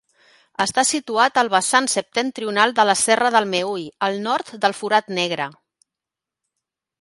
Està situat al vessant septentrional de la Serra del Meüll, al nord del Forat Negre.